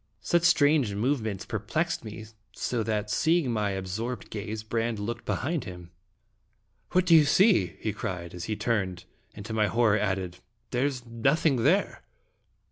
Such strange move ments perplexed me, so that, seeing my ab sorbed gaze, Brande looked behind him. "What do you see?" he cried, as he turned, and to my horror added, " there is nothing here!"